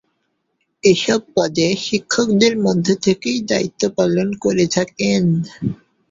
এসব পদে শিক্ষকদের মধ্য থেকেই দায়িত্ব পালন করে থাকেন।